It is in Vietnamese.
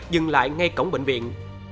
dừng lại ngay cổng bệnh viện